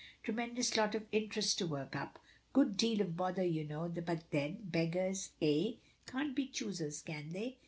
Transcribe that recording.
Tremendous lot of interest to work up. Good deal of bother, you know, but then, beggars eh? can't be choosers, can they?